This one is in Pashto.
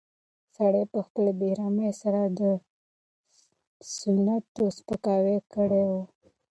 سړي په خپلې بې رحمۍ سره د سنتو سپکاوی کړی و.